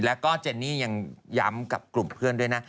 แล้วก็เจนนี่ยังย้ำกับกลุ่มเพื่อนด้วยนะ